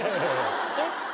えっ？